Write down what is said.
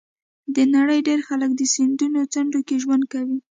د نړۍ ډېری خلک د سیندونو څنډو کې ژوند کوي.